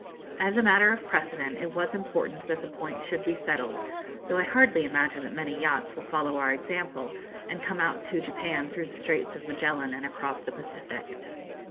As a matter of precedent, it was important that the point should be settled, though I hardly imagine that many yachts will follow our example, and come out to Japan through the Straits of Magellan and across the Pacific.